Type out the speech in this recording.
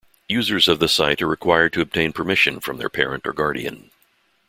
Users of the site are required to obtain permission from their parent or guardian.